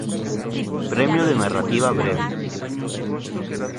Premio de narrativa breve